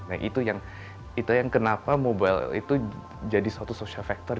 nah itu yang kenapa mobile itu jadi suatu social factor